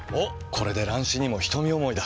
これで乱視にも瞳思いだ。